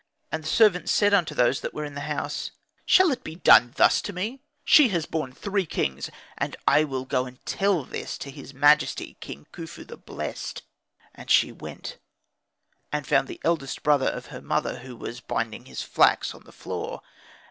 And the servant said unto those that were in the house, "Shall it be done thus unto me? She has borne three kings, and I will go and tell this to his majesty King Khufu the blessed." And she went, and found the eldest brother of her mother, who was binding his flax on the floor.